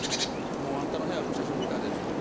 「もうあんたの部屋の写真見たで」っつって。